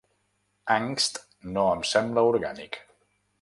"Angst" no em sembla orgànic.